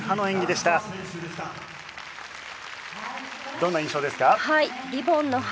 どんな印象ですか？